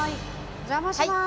お邪魔します。